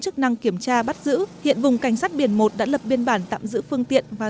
chức năng kiểm tra bắt giữ hiện vùng cảnh sát biển một đã lập biên bản tạm giữ phương tiện và